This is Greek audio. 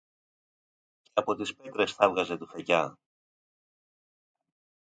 Και από τις πέτρες θάβγαζε τουφέκια!